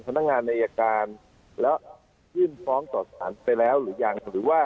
พนักงานอายการแล้วยื่นฟ้องต่อสารไปแล้วหรือยังหรือว่า